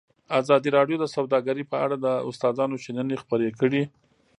ازادي راډیو د سوداګري په اړه د استادانو شننې خپرې کړي.